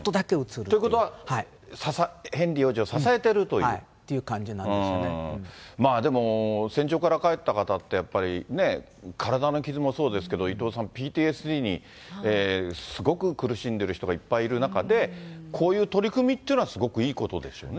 ということは、ヘンリー王子はい、でも戦場から帰った方って、やっぱり体の傷もそうですけど、伊藤さん、ＰＴＳＤにすごく苦しんでる人がいっぱいいる中で、こういう取り組みっていうのはすごくいいことですよね。